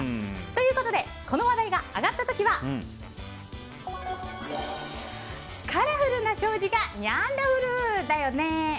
ということでこの話題が挙がった時はカラフルな障子がニャンダフルだよね！